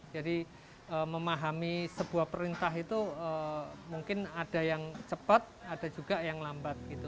jadi memahami sebuah perintah itu mungkin ada yang cepat ada juga yang lambat gitu